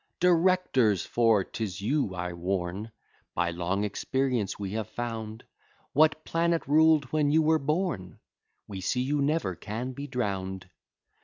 Directors! for 'tis you I warn, By long experience we have found What planet ruled when you were born; We see you never can be drown'd.